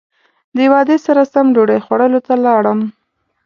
د وعدې سره سم ډوډۍ خوړلو ته لاړم.